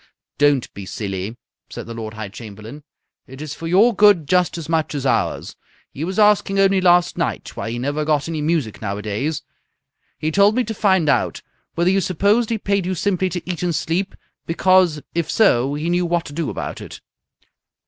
"Don't be silly!" said the Lord High Chamberlain. "It's for your good just as much as ours. He was asking only last night why he never got any music nowadays. He told me to find out whether you supposed he paid you simply to eat and sleep, because if so he knew what to do about it."